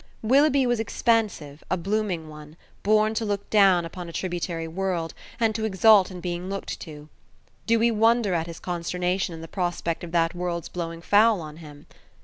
Willoughby was expansive, a blooming one, born to look down upon a tributary world, and to exult in being looked to. Do we wonder at his consternation in the prospect of that world's blowing foul on him?